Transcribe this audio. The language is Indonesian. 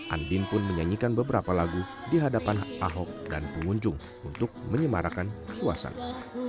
andin pun menyanyikan beberapa lagu di hadapan ahok dan pengunjung untuk menyemarakan suasana